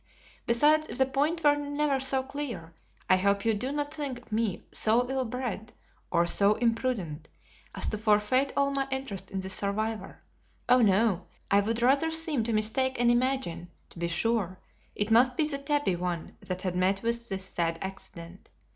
Besides, if the point were never so clear, I hope you do not think me so ill bred or so imprudent as to forfeit all my interest in the survivor. Oh, no; I would rather seem to mistake and imagine, to be sure, it must be the tabby one that had met with this sad accident.